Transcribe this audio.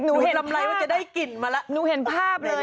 หนูเห็นภาพหนูเห็นภาพเลย